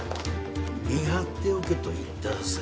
見張っておけと言ったはずだ。